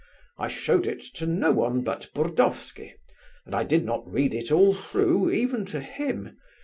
I showed it to no one but Burdovsky, and I did not read it all through, even to him.